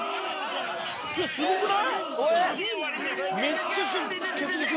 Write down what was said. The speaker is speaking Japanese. すごくない⁉あっ！